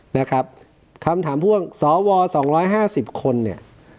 นะครับคำถามพ่วงสวสองร้อยห้าสิบคนเนี่ย